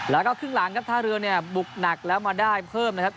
แล้วก็ครึ่งหลังครับท่าเรือเนี่ยบุกหนักแล้วมาได้เพิ่มนะครับ